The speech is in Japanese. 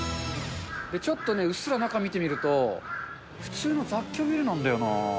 ちょっとね、うっすら中見てみると、普通の雑居ビルなんだよな。